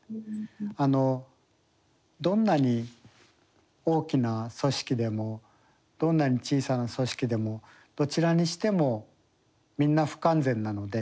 あのどんなに大きな組織でもどんなに小さな組織でもどちらにしてもみんな不完全なので。